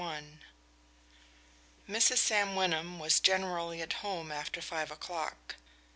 Mrs. Sam Wyndham was generally at home after five o'clock.